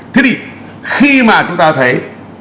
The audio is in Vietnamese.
thế thì khi mà chúng ta thấy